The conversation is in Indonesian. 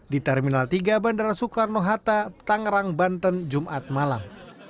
di terminal tiga bandara soekarno hatta tangerang banten jumat malam